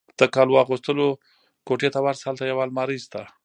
د کالو اغوستلو کوټې ته ورشه، هلته یو المارۍ شته.